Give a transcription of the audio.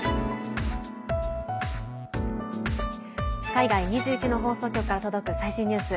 海外２１の放送局から届く最新ニュース。